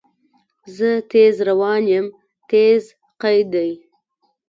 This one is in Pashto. زه تیز روان یم – "تیز" قید دی.